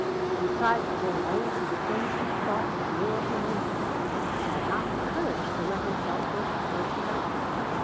He tried to pull away from the things that thought would lure him into. He had not the courage to let himself think of her tonight.